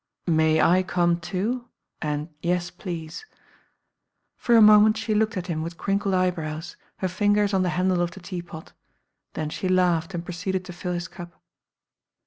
"May I come, too? and yes, please." For a moment she looked at him with crinkled eyebrows, her fingers on the handle of the teapot. Then she laughed and proceeded to fill his cup.